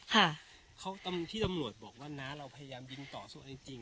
ค่ะเขาตามที่ตำรวจบอกว่าน้าเราพยายามยิงต่อสู้จริงจริง